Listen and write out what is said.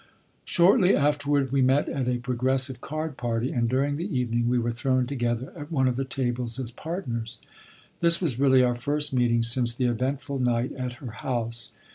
Shortly afterward we met at a progressive card party, and during the evening we were thrown together at one of the tables as partners. This was really our first meeting since the eventful night at her house.